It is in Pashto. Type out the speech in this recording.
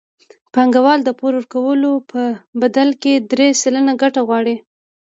بانکوال د پور ورکولو په بدل کې درې سلنه ګټه غواړي